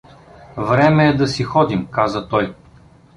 — Време е да си ходим — каза той.